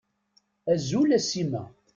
Azul a Sima.